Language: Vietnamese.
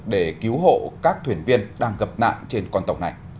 để cứu hộ các thuyền viên đang gặp nạn trên con tàu này